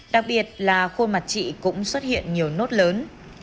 đặc biệt là khuôn mặt chị cũng xuất hiện nhiều nốt lớn